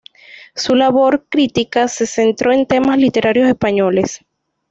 Su labor crítica se centró en temas literarios españoles.